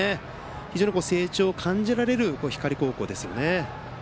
非常に成長も感じられる光高校ですね。